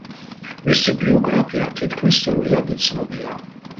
მისი ბიოგრაფია თითქმის სრულიად უცნობია.